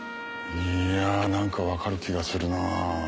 いや何か分かる気がするな。